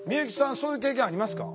そういう経験ありますか？